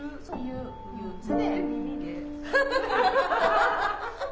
そう言う。